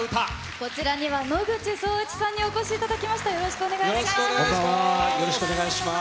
こちらには野口聡一さんにお越しいただきました、よろしくお願いします。